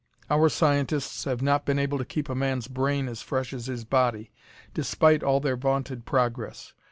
Our scientists have not been able to keep a man's brain as fresh as his body, despite all their vaunted progress.